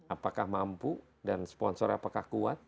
apakah mampu dan sponsor apakah kuat